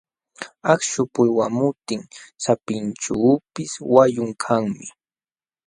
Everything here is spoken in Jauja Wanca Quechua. Akśhu pulwamutin sapinćhuupis wayun kanmi.